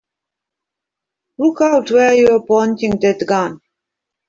Look out where you're pointing that gun!